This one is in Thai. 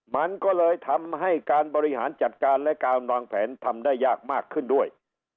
มันก็เลยทำให้การบริหารจัดการและการวางแผนทำได้ยากมากขึ้นด้วย